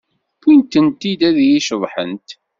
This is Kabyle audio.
Wwiɣ-tent-id ad ay-iceḍḥent.